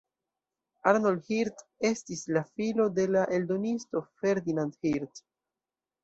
Arnold Hirt estis la filo de la eldonisto Ferdinand Hirt.